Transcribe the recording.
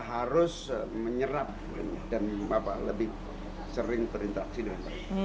harus menyerap dan lebih sering terinteraksi dengan kami